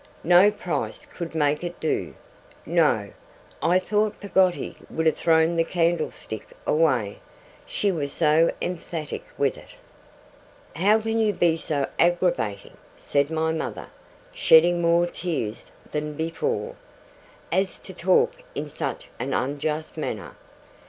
No price could make it do. No!' I thought Peggotty would have thrown the candlestick away, she was so emphatic with it. 'How can you be so aggravating,' said my mother, shedding more tears than before, 'as to talk in such an unjust manner!